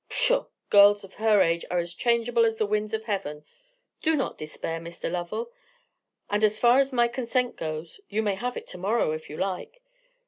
"Pshaw! girls of her age are as changeable as the winds of heaven. Do not despair, Mr. Lovell; and as far as my consent goes, you may have it to morrow, if you like.